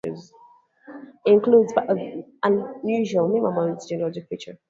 It includes part of the unusual Mima Mounds geologic feature.